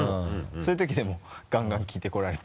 そういう時でもガンガン聞いてこられて。